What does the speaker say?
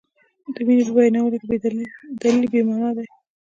د مینې په بیانولو کې دلیل بې معنا دی.